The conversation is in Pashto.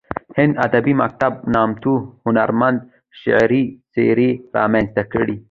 هندي ادبي مکتب نامتو هنرمندې شعري څیرې رامنځته کړې